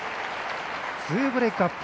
２ブレークアップ